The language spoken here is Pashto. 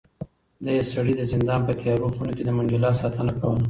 دې سړي د زندان په تیارو خونو کې د منډېلا ساتنه کوله.